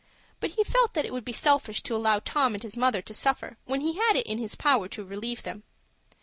But he felt that it would be selfish to allow Tom and his mother to suffer when he had it in his power to relieve them.